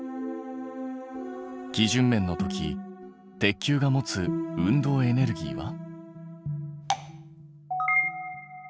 基準面の時鉄球が持つ運動エネルギーは。